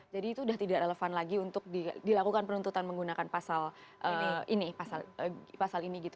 jadi itu sudah tidak relevan lagi untuk dilakukan penuntutan menggunakan pasal ini